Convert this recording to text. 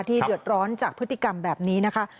เดือดร้อนจากพฤติกรรมแบบนี้นะคะ